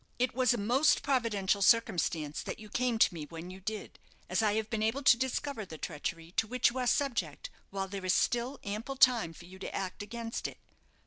It was a most providential circumstance that you came to me when you did, as I have been able to discover the treachery to which you are subject while there is yet ample time for you to act against it.